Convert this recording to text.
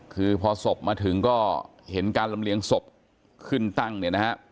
คือพอศพมาถึงก็เห็นการลำเลียงศพขึ้นตั้งเนี่ยนะฮะ